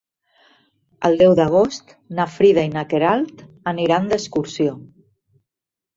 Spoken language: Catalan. El deu d'agost na Frida i na Queralt aniran d'excursió.